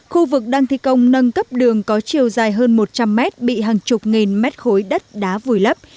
khu vực đang thi công nâng cấp đường có chiều dài hơn một trăm linh m bị hàng chục nghìn m ba đá vùi lấp